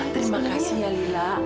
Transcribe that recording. terima kasih alila